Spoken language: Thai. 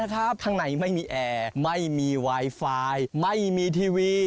ข้างในไม่มีแอร์ไม่มีไวไฟไม่มีทีวี